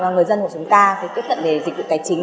người dân của chúng ta phải tiếp cận về dịch vụ tài chính